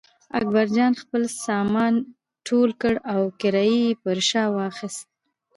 اکبرجان خپل سامان ټول کړ او کړایی یې پر شا واخیست.